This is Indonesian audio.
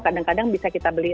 kadang kadang bisa kita beli